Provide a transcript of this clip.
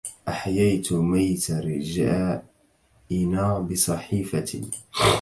أحييت ميت رجائنا بصحيفة